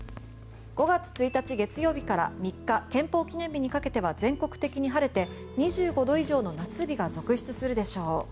５月１日、月曜日から３日、憲法記念日にかけては全国的に晴れて２５度以上の夏日が続出するでしょう。